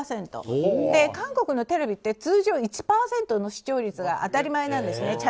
韓国のテレビって通常１％の視聴率が当たり前なんですね。